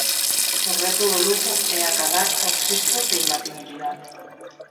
O reto do Lugo é acadar o rexistro de imbatibilidade.